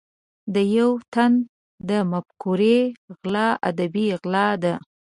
د یو تن د مفکورې غلا ادبي غلا ده.